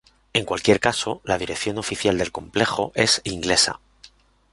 En cualquier caso, la dirección oficial del complejo es inglesa.